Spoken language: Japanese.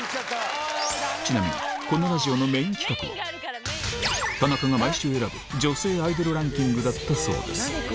ちなみにこのラジオのメイン企画は、田中が毎週選ぶ女性アイドルランキングだったそうです。